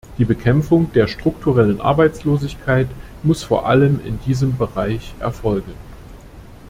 Die Bekämpfung der strukturellen Arbeitslosigkeit muss vor allem in diesem Bereich erfolgen.